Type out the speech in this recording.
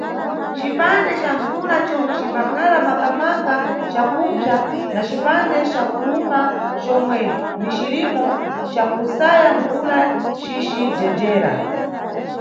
Cipande ca mbvula comwe cimbakhala maka-maka cakupsa na cipande ca kuwuma comwe ni cirimo cakusaya mbvula cici jejera.